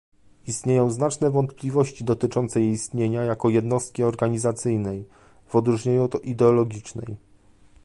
istnieją znaczne wątpliwości dotyczące jej istnienia jako jednostki organizacyjnej, w odróżnieniu od ideologicznej